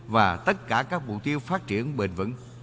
và tất cả các mục tiêu phát triển bền vững